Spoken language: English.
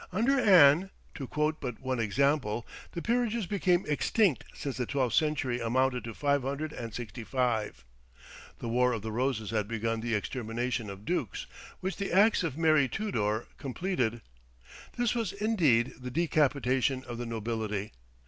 Under Anne, to quote but one example, the peerages become extinct since the twelfth century amounted to five hundred and sixty five. The War of the Roses had begun the extermination of dukes, which the axe of Mary Tudor completed. This was, indeed, the decapitation of the nobility.